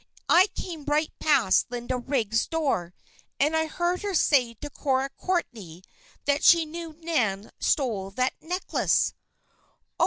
"I came right past Linda Riggs' door, and I heard her say to Cora Courtney that she knew Nan stole that necklace!"